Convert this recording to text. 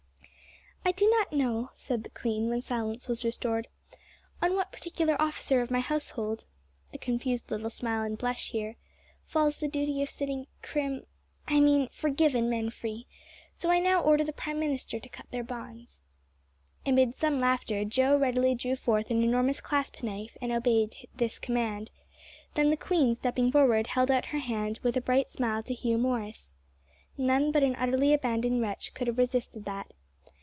"I do not know," said the queen, when silence was restored, "on what particular officer of my household," (a confused little smile and blush here), "falls the duty of setting crim I mean forgiven men free, so I now order the prime minister to cut their bonds." Amid some laughter, Joe readily drew forth an enormous clasp knife and obeyed this command. Then the queen, stepping forward, held out her hand with a bright smile to Hugh Morris. None but an utterly abandoned wretch could have resisted that.